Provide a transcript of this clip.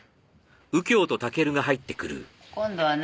今度は何？